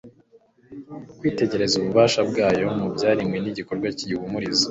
Kwitegereza ububasha bwayo mu byaremwe ni igikorwa gihumuriza,